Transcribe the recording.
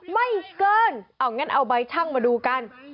ไม่เกินเอางั้นเอาใบชั่งมาดูกัน